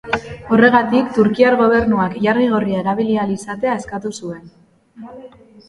Horregatik, turkiar gobernuak ilargi gorria erabili ahal izatea eskatu zuen.